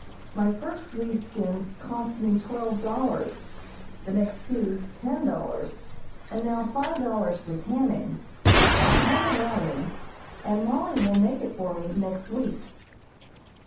My first three skins cost me twelve dollars, the next two ten dollars, and now five dollars for tanning, but I have a lining, and Mollie will make it for me next week.